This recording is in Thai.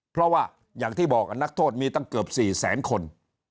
เพราะว่าอย่างที่บอกนักโทษมีตั้งเกือบ๔แสนคน